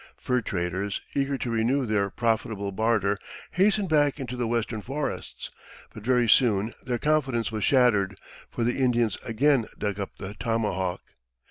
Fur traders, eager to renew their profitable barter, hastened back into the western forests. But very soon their confidence was shattered, for the Indians again dug up the tomahawk.